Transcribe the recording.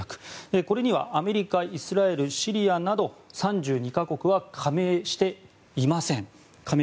これにはアメリカ、イスラエルシリアなど３２か国は加盟していません。